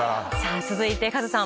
続いてカズさん